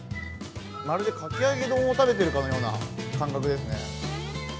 まるで、かき揚げ丼を食べているかのような感覚ですね。